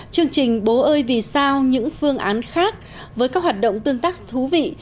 chương trình bố ơi vì sao những phương án khác với các hoạt động tương tác thú vị